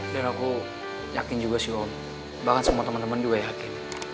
dan aku yakin juga sih om bahkan semua temen temen juga yakin